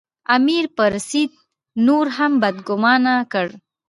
امیر پر سید نور هم بدګومانه کړ.